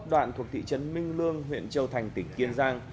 đoạn thuộc thị trấn minh lương huyện châu thành tỉnh kiên giang